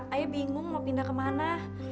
ayah bingung mau pindah kemana